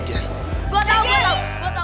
gua tau gua tau gua tau